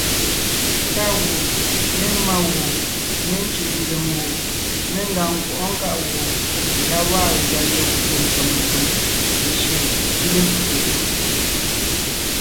Tá gù, ne má gu, me cʉ̀ʼ nzèm gù, ne ngàŋ nkwɔʼɔ́ nkáʼ gù la gwaa gʉa legwé nkèm nkèm jÿeen nkíbe pwó jú.